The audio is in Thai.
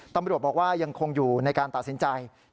ตำรวจบอกว่ายังคงอยู่ในการตัดสินใจ